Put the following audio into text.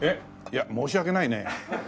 いや申し訳ないね。